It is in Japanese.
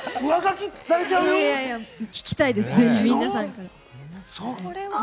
聴きたいです、ぜひ皆さんからの。